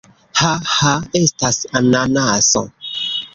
Ha! Ha! Estas ananaso!